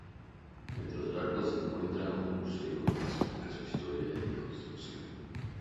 Dentro del Arco se encuentra un museo que explica su historia y construcción.